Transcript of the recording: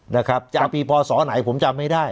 นะครับจากปีพศไหนผมจำไม่ได้